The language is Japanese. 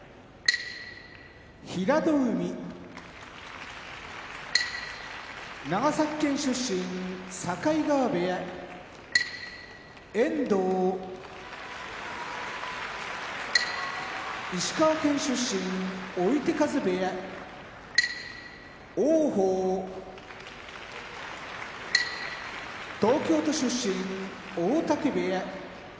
平戸海長崎県出身境川部屋遠藤石川県出身追手風部屋王鵬東京都出身大嶽部屋